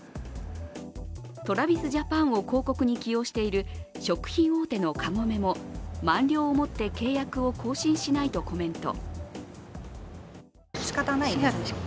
ＴｒａｖｉｓＪａｐａｎを広告に起用している食品大手のカゴメも満了をもって契約を更新しないとコメント。